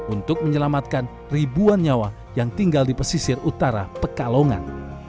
untuk menyelamatkan ribuan nyawa yang tinggal di pesisir utara pekalongan